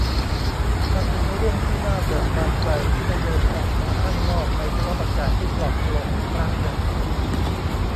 มันเป็นเรื่องที่น่าเบิกบานใจที่ได้เดินออกมาข้างนอกในสภาพอากาศที่ปลอดโปร่งอีกครั้งหนึ่ง